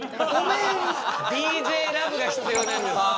ＤＪＬＯＶＥが必要なんです。